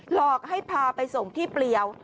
หลอกให้พาไปส่งที่เปรียว